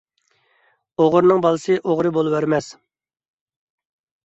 ئوغرىنىڭ بالىسى ئوغرى بولۇۋەرمەس.